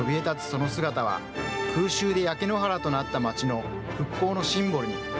その姿は、空襲で焼け野原となった街の復興のシンボルに。